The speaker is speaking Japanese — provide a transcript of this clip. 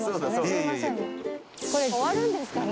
これ終わるんですかね？